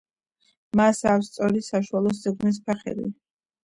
მას ავს სწორი, საშუალო სიგრძის ფეხები.